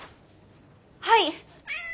はい。